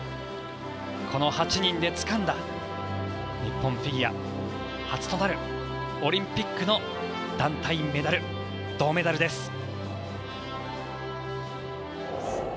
この８人でつかんだ、日本フィギュア初となるオリンピックの団体メダル、銅メダルです。